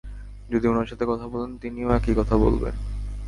যদি উনার সাথে কথা বলেন, তিনিও একই কথা বলবেন।